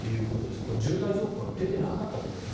これ、渋滞情報は出ていなかったということですね